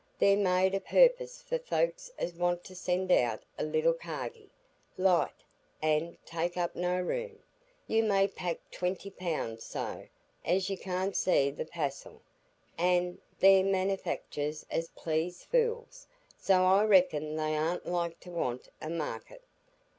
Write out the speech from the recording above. they're made o' purpose for folks as want to send out a little carguy; light, an' take up no room,—you may pack twenty pound so as you can't see the passill; an' they're manifacturs as please fools, so I reckon they aren't like to want a market.